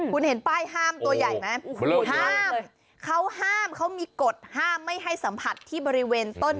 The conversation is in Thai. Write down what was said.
คุณเห็นป้ายห้ามตัวใหญ่ไหมห้ามเขาห้ามเขามีกฎห้ามไม่ให้สัมผัสที่บริเวณต้น